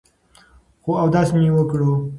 خو اودس مې وکړو ـ